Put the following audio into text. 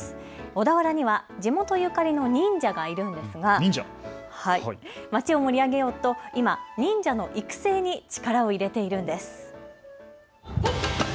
小田原には地元ゆかりの忍者がいるんですが町を盛り上げようと今、忍者の育成に力を入れているんです。